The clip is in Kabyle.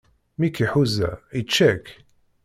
Mi k-iḥuza, ičča-k.